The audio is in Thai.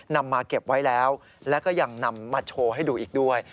นำมาเก็บไว้แล้วแล้วก็ยังนำมาโชว์ให้ดูอีกด้วย